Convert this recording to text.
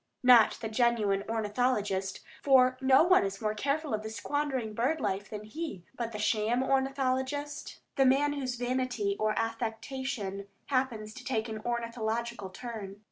Not the genuine ornithologist, for no one is more careful of squandering bird life than he; but the sham ornithologist, the man whose vanity or affectation happens to take an ornithological turn.